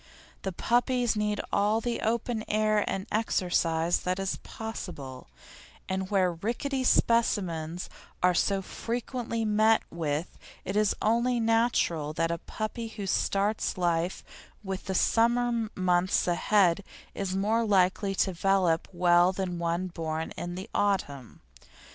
The puppies need all the open air and exercise that is possible, and where rickety specimens are so frequently met with it is only natural that a puppy who starts life with the summer months ahead is more likely to develop well than one born in the autumn.